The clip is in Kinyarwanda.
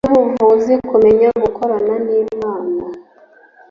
byubuvuzi kumenya gukorana nImana